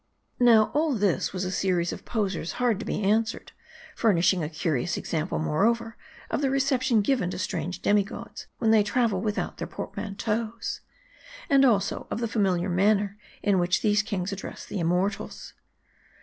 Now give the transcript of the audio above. Now, all this was a series of posers hard to be answer ed ; furnishing a curious example, moreover, of the reception given to Grange demi gods when they travel without their portmanteaus ; and also of the familiar manner in which these kings address the immortals.